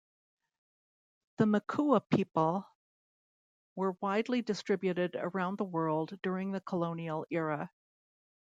The Makua people were widely distributed around the world during the colonial era.